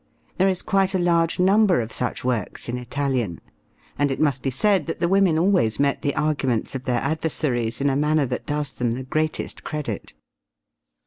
There is quite a large number of such works in Italian; and it must be said that the women always met the arguments of their adversaries in a manner that does them the greatest credit.